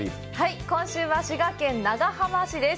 今週は、滋賀県長浜市です。